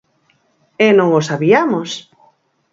E non o sabiamos.